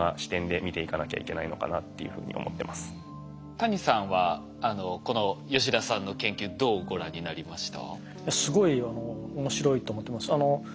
谷さんはこの吉田さんの研究どうご覧になりました？